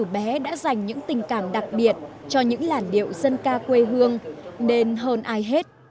có lẽ từ bé đã dành những tình cảm đặc biệt cho những làn điệu dân ca quê hương nên hơn ai hết